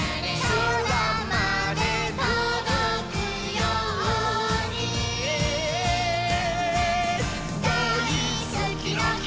「そらまでとどくように」「だいすきの木」